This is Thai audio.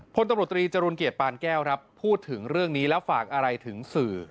พลตำรวจตรีจรูลเกียรติปานแก้วครับพูดถึงเรื่องนี้แล้วฝากอะไรถึงสื่อ